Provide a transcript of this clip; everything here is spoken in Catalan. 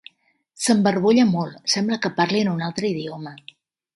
S'embarbolla molt: sembla que parli en un altre idioma!